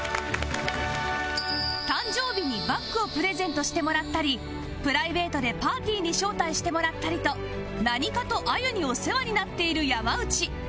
誕生日にバッグをプレゼントしてもらったりプライベートでパーティーに招待してもらったりと何かとあゆにお世話になっている山内